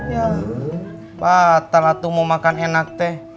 ya aku mau makan enak